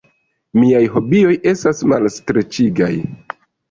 Miaj hobioj estas malstreĉigaj.